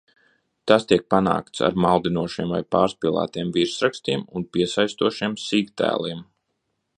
Tas tiek panākts ar maldinošiem vai pārspīlētiem virsrakstiem un piesaistošiem sīktēliem.